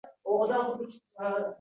Qaqshatqich qalbim zalpi!..